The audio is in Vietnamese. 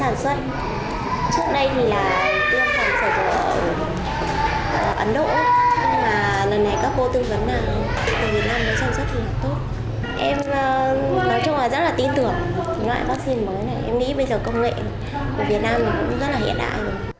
em nói chung là rất là tin tưởng loại vaccine mới này em nghĩ bây giờ công nghệ của việt nam cũng rất là hiện đại